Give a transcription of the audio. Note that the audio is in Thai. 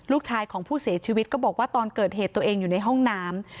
ลูกชายของผู้เสียชีวิตก็บอกว่าตอนเกิดเหตุตัวเองอยู่ในห้องน้ำ